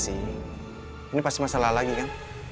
ini pasti masalah lagi kan